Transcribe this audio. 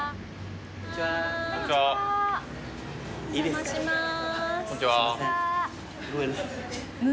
お邪魔します。